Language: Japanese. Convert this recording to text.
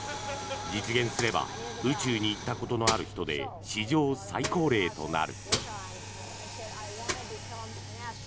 実現すれば宇宙に行ったことのある人で史上最高齢となる。